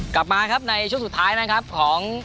กลับมาครับในช่วงสุดท้ายนะครับของ